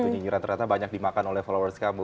nyinyiran ternyata banyak dimakan oleh followers kamu